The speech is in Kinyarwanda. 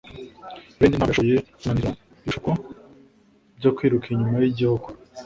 Randy ntabwo yashoboye kunanira ibishuko byo kwiruka inyuma yigihugu